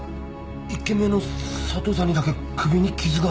１件目の佐藤さんにだけ首に傷が！？